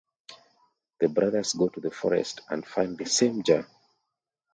The brothers go to the forest and find the same jar.